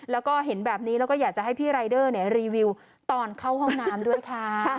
แล้วก็เห็นแบบนี้แล้วก็อยากจะให้พี่รายเดอร์รีวิวตอนเข้าห้องน้ำด้วยค่ะ